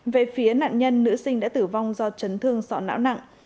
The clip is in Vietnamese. về phía nạn nhân nữ sinh đã tử vong do chấn thương sọ não nặng